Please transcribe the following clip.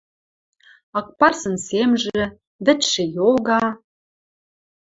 «Акпарсын семжӹ», «Вӹдшӹ йога»